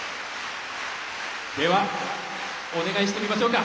では、お願いしてみましょうか。